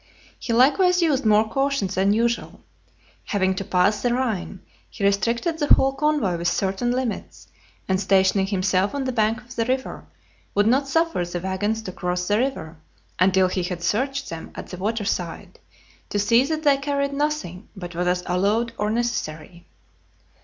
He likewise used more cautions than usual. Having to pass the Rhine, he restricted the whole convoy within certain limits, and stationing himself on the bank of the river, would not suffer the waggons to cross the river, until he had searched them at the water side, to see that they carried nothing but what was allowed or necessary.